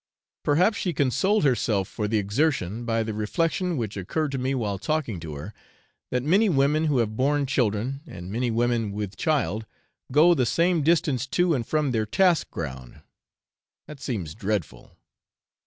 Perhaps she consoled herself for the exertion by the reflection which occurred to me while talking to her, that many women who have borne children, and many women with child, go the same distance to and from their task ground that seems dreadful!